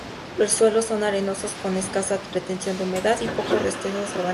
Los suelos son arenosos con escasa retención de humedad y pocos restos orgánicos.